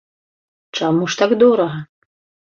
Чаму ж так дорага?